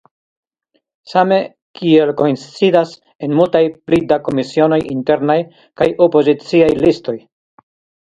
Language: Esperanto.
Same kiel koincidas en multaj pli da komisionoj internaj kaj opoziciaj listoj.